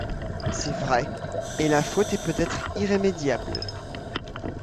C’est vrai, et la faute est peut-être irrémédiable.